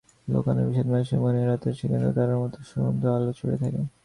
লুকানো বিষাদ মানুষের মনে রাতে স্নিগ্ধ তারার মতো সুমধুর আলো ছড়িয়ে থাকে।